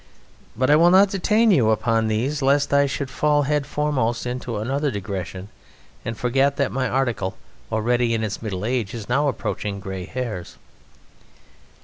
But I will not detain you upon these lest I should fall head foremost into another digression and forget that my article, already in its middle age, is now approaching grey hairs.